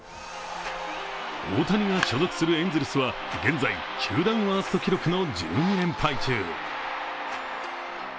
大谷が所属するエンゼルスは現在球団ワースト記録の１２連敗中。